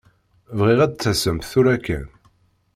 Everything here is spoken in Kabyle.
Bɣiɣ ad d-tasemt tura kan.